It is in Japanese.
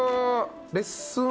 レッスン？